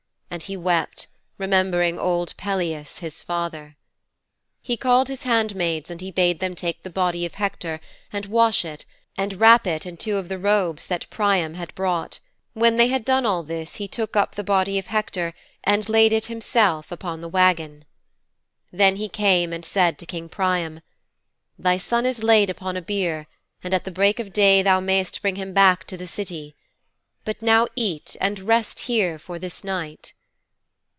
And he wept, remembering old Peleus, his father.' 'He called his handmaids and he bade them take the body of Hector and wash it and wrap it in two of the robes that Priam had brought. When they had done all this he took up the body of Hector and laid it himself upon the wagon.' 'Then he came and said to King Priam, "Thy son is laid upon a bier, and at the break of day thou mayst bring him back to the City. But now eat and rest here for this night."'